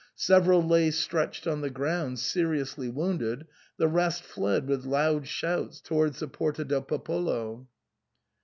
Several lay stretched on the ground seriously wounded; the rest fled with loud shouts towards the Porta del Popolo.